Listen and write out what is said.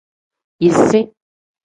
Yisi.